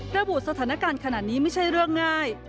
ระบุสถานการณ์ขนาดนี้ไม่ใช่เรื่องง่าย